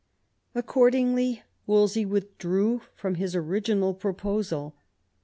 Accordingly Wolsey withdrew from his original proposal.